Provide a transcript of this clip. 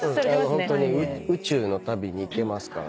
ホントに宇宙の旅に行けますからね。